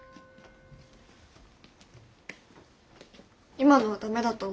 今のは駄目だと思う。